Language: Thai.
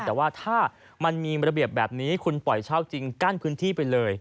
แต่ว่าถ้ามันมีระเบียบแบบนี้คุณปล่อยเช่าจริงกั้นพื้นที่ไปเลย